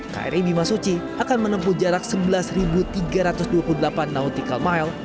kri bimasuci akan menempuh jarak sebelas tiga ratus dua puluh delapan nautical mile